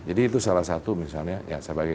jadi itu salah satu misalnya